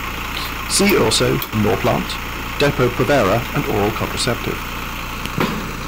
See also Norplant, Depo-Provera and oral contraceptive.